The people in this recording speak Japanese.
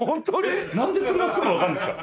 なんでそんなすぐわかるんですか？